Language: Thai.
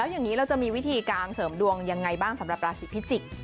อย่างนี้เราจะมีวิธีการเสริมดวงยังไงบ้างสำหรับราศีพิจิกษ์